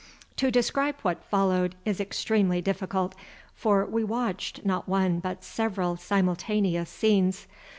To describe what followed is extremely difficult, for we watched not one but several simultaneous scenes.